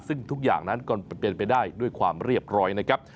ซึ่งทุกอย่างนั้นก็เป็นไปได้ด้วยความเรียบร้อยนะครับ